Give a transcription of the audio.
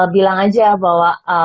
bilang aja bahwa